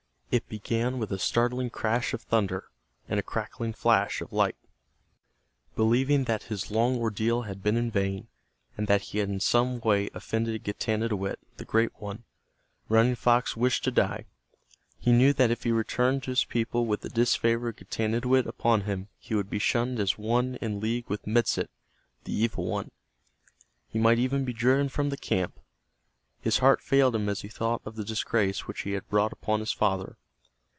It began with a startling crash of thunder, and a crackling flash of light. Believing that his long ordeal had been in vain, and that he had in some way offended Getanittowit, the Great One, Running Fox wished to die. He knew that if he returned to his people with the disfavor of Getanittowit upon him he would be shunned as one in league with Medsit, the Evil One. He might even be driven from the camp. His heart failed him as he thought of the disgrace which he had brought upon his father.